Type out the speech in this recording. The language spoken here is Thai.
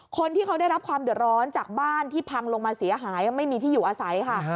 คนที่เขาได้รับความเดือดร้อนจากบ้านที่พังลงมาเสียหายไม่มีที่อยู่อาศัยค่ะ